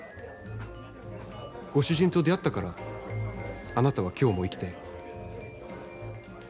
ご主人と出会ったからあなたは今日も生きてる。